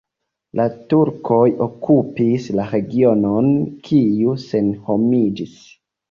La turkoj okupis la regionon, kiu senhomiĝis.